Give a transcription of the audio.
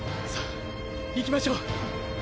さあ行きましょう！